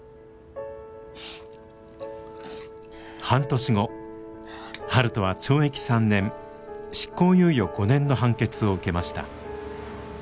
半年後悠人は懲役３年執行猶予５年の判決を受けました。